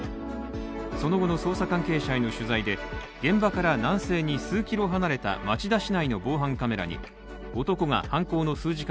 その後の捜査関係者への取材で現場から南西に数キロ離れた町田市内の防犯カメラに男が犯行の数時間